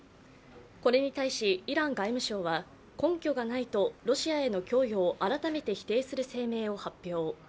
これに対しイラン外務省は根拠がないとロシアへの供与を改めて否定する声明を発表。